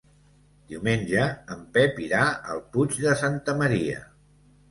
Diumenge en Pep irà al Puig de Santa Maria.